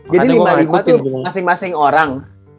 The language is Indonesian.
jadi lima lima tuh masing masing orang